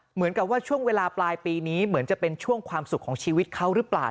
เหมือนกับว่าช่วงเวลาปลายปีนี้เหมือนจะเป็นช่วงความสุขของชีวิตเขาหรือเปล่า